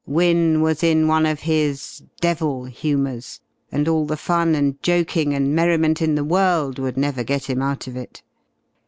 Wynne was in one of his "devil" humours, and all the fun and joking and merriment in the world would never get him out of it.